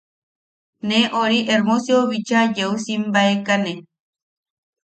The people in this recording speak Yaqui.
Ne ori Hermosiu bichaa yeu simbabaekane.